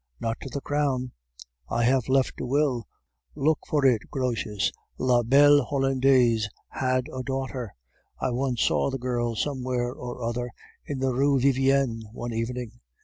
Not to the crown; I have left a will, look for it, Grotius. La belle Hollandaise had a daughter; I once saw the girl somewhere or other, in the Rue Vivienne, one evening.